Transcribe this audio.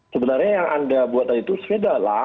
sebenarnya yang anda buat tadi itu sepeda lah